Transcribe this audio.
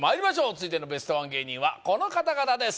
続いてのベストワン芸人はこの方々です